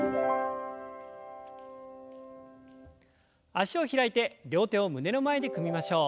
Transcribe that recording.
脚を開いて両手を胸の前で組みましょう。